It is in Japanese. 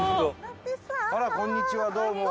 あらこんにちはどうも。